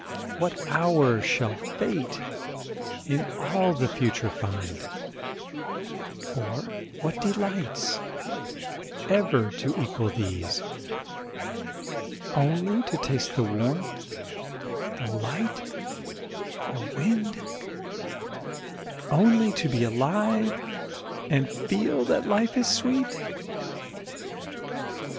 What hour shall Fate in all the future find, Or what delights, ever to equal these: Only to taste the warmth, the light, the wind, Only to be alive, and feel that life is sweet?